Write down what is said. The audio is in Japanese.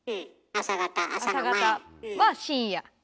朝方は「深夜」。